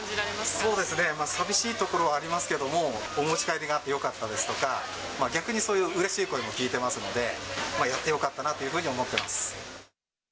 そうですね、寂しいところはありますけれども、お持ち帰りがあってよかったですとか、逆にそういううれしい声も聞いてますので、やってよかったなというふうに思ってます。